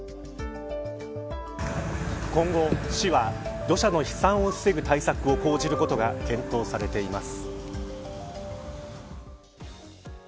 今後、市は土砂の飛散などを防ぐ対策を講じることが検討されています。